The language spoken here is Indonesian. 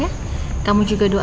jadi mereka juga sudah berusaha